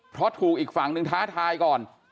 เพราะถูกอีกฝั่งนึงท้าทายก่อน